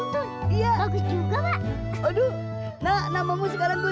tidak akan tinggal dalam kuaku